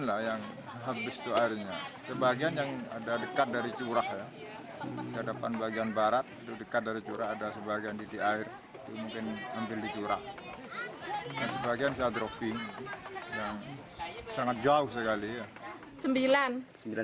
ada sebagian titik air yang mungkin mempilih curah dan sebagian yang sangat jauh sekali